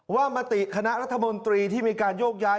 มติคณะรัฐมนตรีที่มีการโยกย้าย